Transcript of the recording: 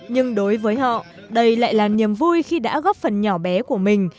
nhưng đối với họ đây lại là niềm vui khi đã góp phần nhỏ bé của mình